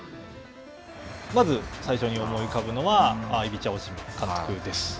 まず最初に思い浮かぶのはイビチャ・オシム監督です。